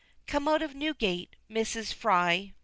Come out of Newgate, Mrs. Fry!